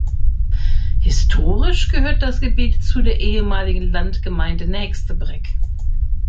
Historisch gehörte das Gebiet zu der ehemaligen Landgemeinde Nächstebreck.